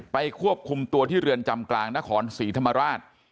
ควบคุมตัวที่เรือนจำกลางนครศรีธรรมราช